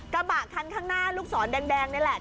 กระบะคันข้างหน้าลูกศรแดงนี่แหละ